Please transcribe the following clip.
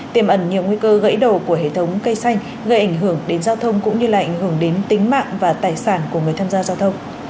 tiềm ẩn nhiều nguy cơ gãy đổ của hệ thống cây xanh gây ảnh hưởng đến giao thông cũng như là ảnh hưởng đến tính mạng và tài sản của người tham gia giao thông